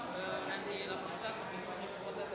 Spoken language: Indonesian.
terima kasih terus dia tersenyum namasized di pol drama